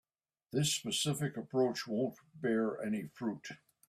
This specific approach won't bear any fruit.